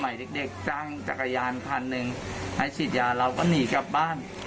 เด็กจ้างจักรยานคันหนึ่งให้ฉีดยาเราก็หนีกลับบ้าน